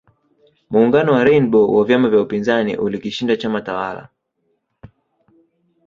Muungano wa Rainbow wa vyama vya upinzani ulikishinda chama tawala